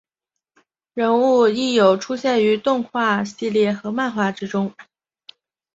人物亦有出现于动画系列和漫画之中。